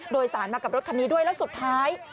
โดยสารมากับรถคันนี้ด้วยแล้วสุดท้าย